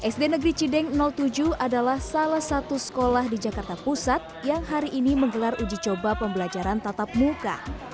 sd negeri cideng tujuh adalah salah satu sekolah di jakarta pusat yang hari ini menggelar uji coba pembelajaran tatap muka